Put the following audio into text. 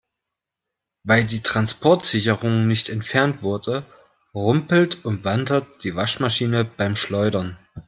Weil die Transportsicherung nicht entfernt wurde, rumpelt und wandert die Waschmaschine beim Schleudern.